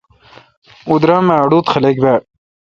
اوں درام اے° اڑوت خلق باڑ۔۔